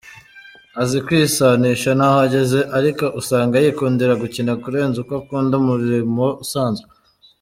Azi kwisanisha naho ageze ariko usanga yikundira gukina kurenza uko akunda umurimo usanzwe.